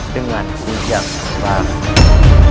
dengan hujan baru